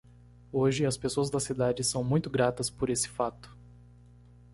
Hoje, as pessoas da cidade são muito gratas por esse fato.